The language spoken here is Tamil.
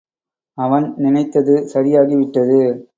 அவன் நினைத்தது சரியாகிவிட்டது.